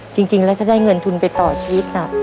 จริงแล้วถ้าได้เงินทุนไปต่อชีวิตน่ะ